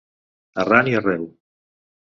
Arran i arreu.